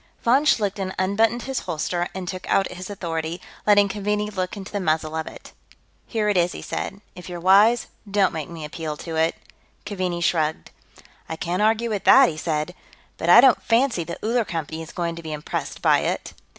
Von Schlichten unbuttoned his holster and took out his authority, letting Keaveney look into the muzzle of it. "Here it is," he said. "If you're wise, don't make me appeal to it." Keaveney shrugged. "I can't argue with that," he said. "But I don't fancy the Uller Company is going to be impressed by it."